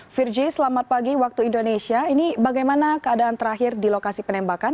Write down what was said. virgi selamat pagi waktu indonesia ini bagaimana keadaan terakhir di lokasi penembakan